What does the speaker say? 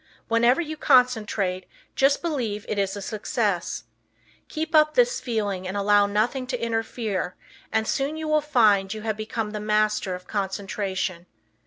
Whenever you concentrate just believe it is a success. Keep up this feeling and allow nothing to interfere and you will soon find you have become the master of concentration.